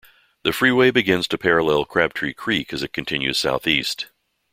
The freeway begins to parallel Crabtree Creek as it continues southeast.